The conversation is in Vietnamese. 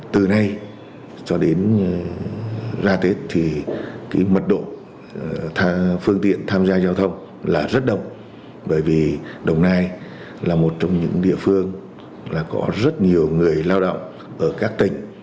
từ nay cho đến ra tết thì cái mật độ phương tiện tham gia giao thông là rất đông bởi vì đồng nai là một trong những địa phương là có rất nhiều người lao động ở các tỉnh